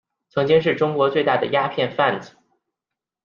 曾经是中国最大的鸦片贩子。